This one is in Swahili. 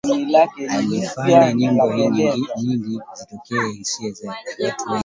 Alifanya nyimbo nyingi zilizoteka hisia za watu wengi